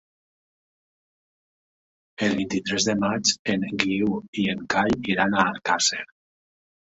El vint-i-tres de maig en Guiu i en Cai iran a Alcàsser.